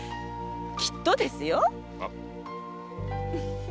きっとですよ。